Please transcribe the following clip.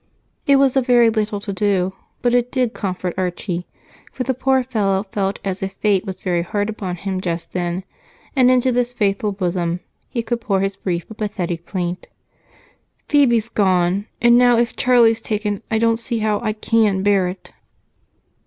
It was a very little to do, but it did comfort Archie, for the poor fellow felt as if fate was very hard upon him just then, and in this faithful bosom he could pour his brief but pathetic plaint. "Phebe's gone, and now if Charlie's taken, I don't see how I can bear it!"